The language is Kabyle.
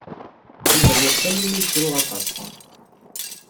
Yuba yuɣ tanumi yettru aṭas.